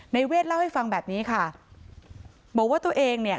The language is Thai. เวทเล่าให้ฟังแบบนี้ค่ะบอกว่าตัวเองเนี่ย